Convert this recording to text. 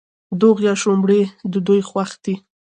دوغ یا شړومبې د دوی خوښ دي.